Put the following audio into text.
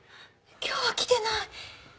今日は来てない。